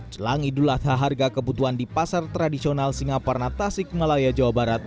celang idul adha harga kebutuhan di pasar tradisional singapura tasik melayu jawa barat